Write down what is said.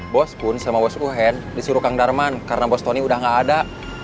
bos pun sama bos uhen disuruh kang darman karena bos tony udah gak ada